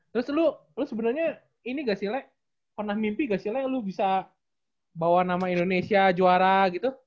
terus lu sebenernya ini gak sih le pernah mimpi gak sih le lu bisa bawa nama indonesia juara gitu